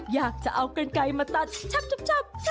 อยากจะเอากันไกลมาตัดชับ